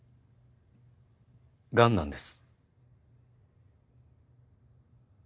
がんなんです。